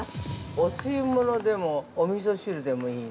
◆お吸い物でもおみそ汁でもいいの？